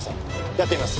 やってみます。